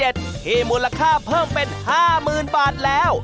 ที่มูลค่าเพิ่มเป็น๕๐๐๐บาทแล้ว